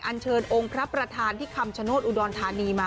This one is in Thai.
เชิญองค์พระประธานที่คำชโนธอุดรธานีมา